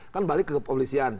kan balik ke kepolisian